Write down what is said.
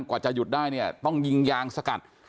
กว่าจะหยุดได้เนี่ยต้องยิงยางสกัด